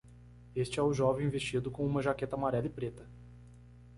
Este é o jovem vestido com uma jaqueta amarela e preta